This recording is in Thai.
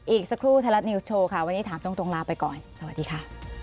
อีกสักครู่ไทยรัฐนิวส์โชว์ค่ะวันนี้ถามตรงลาไปก่อนสวัสดีค่ะ